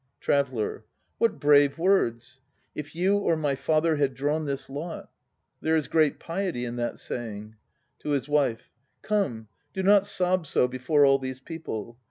TRAVELLER. What brave words! "If you or my father had drawn this lot ..." There is great piety in that saying. (To his WIFE.) Come, do not sob so before all these people.